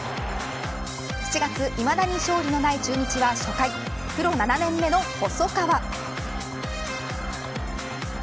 ７月、いまだに勝利のない中日は初回プロ７年目の細川。